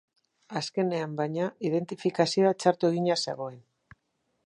Azkenean, baina, idenfitikazioa txarto egina zegoen.